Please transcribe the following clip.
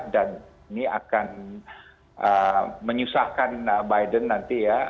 dan ini akan menyusahkan biden nanti ya